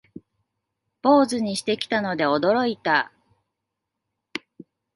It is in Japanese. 坊主にしてきたので驚いた